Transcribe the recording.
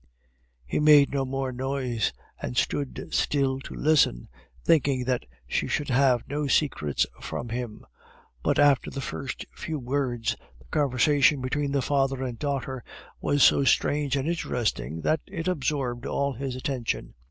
He made no more noise, and stood still to listen, thinking that she should have no secrets from him; but after the first few words, the conversation between the father and daughter was so strange and interesting that it absorbed all his attention.